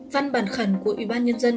văn bản khẩn của ủy ban nhân dân